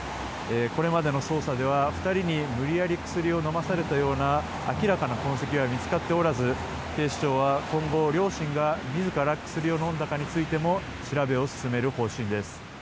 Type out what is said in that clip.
これまでの捜査では、２人に無理やり薬を飲まされたような明らかな痕跡は見つかっておらず警視庁は今後、両親が自ら薬を飲んだかについても調べを進める方針です。